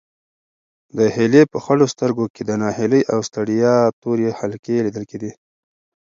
د هیلې په خړو سترګو کې د ناهیلۍ او ستړیا تورې حلقې لیدل کېدې.